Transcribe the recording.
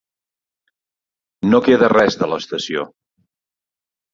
No queda res de l'estació.